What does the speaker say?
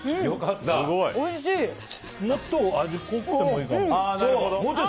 もっと味濃くてもいいかも。